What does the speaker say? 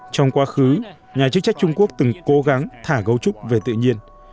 trong quá khứ nhà chức trách trung quốc từng cố gắng thả gấu trúc về tự nhiên